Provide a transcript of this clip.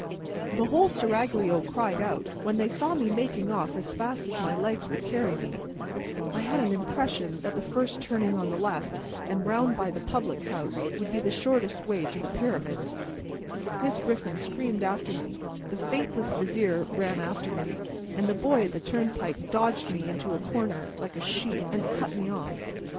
The whole Seraglio cried out, when they saw me making off as fast as my legs would carry me (I had an impression that the first turning on the left, and round by the public house, would be the shortest way to the Pyramids), Miss Griffin screamed after me, the faithless Vizier ran after me, and the boy at the turnpike dodged me into a corner, like a sheep, and cut me off.